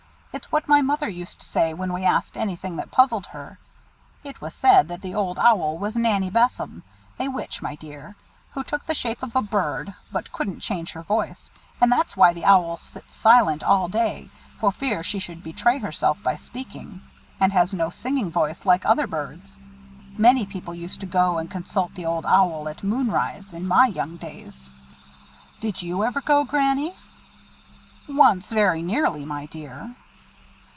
It's what my mother used to say when we asked anything that puzzled her. It was said that the Old Owl was Nanny Besom (a witch, my dear!), who took the shape of a bird, but couldn't change her voice, and that's why the owl sits silent all day for fear she should betray herself by speaking, and has no singing voice like other birds. Many people used to go and consult the Old Owl at moon rise, in my young days." "Did you ever go, Granny?" "Once, very nearly, my dear."